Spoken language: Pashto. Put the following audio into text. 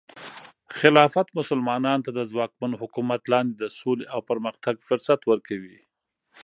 خلافت مسلمانانو ته د ځواکمن حکومت لاندې د سولې او پرمختګ فرصت ورکوي.